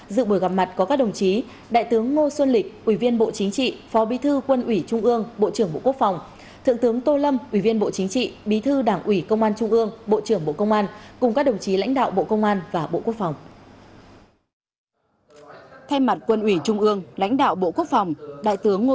dự buổi gặp mặt có các đồng chí đại tướng ngô xuân lịch ủy viên bộ chính trị phó bi thư quân ủy trung ương bộ trưởng bộ quốc phòng thượng tướng tô lâm ủy viên bộ chính trị bí thư đảng ủy công an trung ương bộ trưởng bộ công an cùng các đồng chí lãnh đạo bộ công an và bộ quốc phòng